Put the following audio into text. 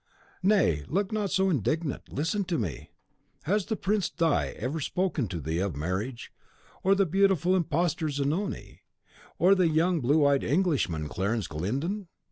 Nay, look not so indignant! Listen to me. Has the Prince di ever spoken to thee of marriage; or the beautiful imposter Zanoni, or the young blue eyed Englishman, Clarence Glyndon?